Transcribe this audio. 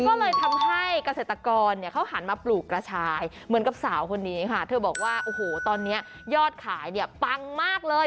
ก็เลยทำให้กระเสบตากรเขาผ่านมาปลูกกระชายเหมือนกับสาวคนนี้เธอบอกว่าโอ้โหตอนนี้ยอดขายปางมากเลย